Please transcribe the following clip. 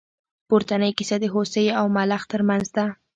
پورتنۍ کیسه د هوسۍ او ملخ تر منځ ده.